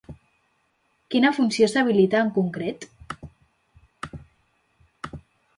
Quina funció s'habilita en concret?